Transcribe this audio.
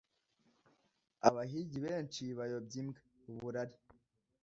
Abahigi benshi bayobya imbwa (uburari).